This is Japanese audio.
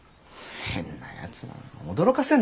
変なやつだな驚かせんな。